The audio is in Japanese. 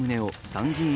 参議院